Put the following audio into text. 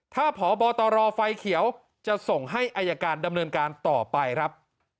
ถ้าพบตรไฟเขียวจะส่งให้อายการดำเนินการต่อไปครับ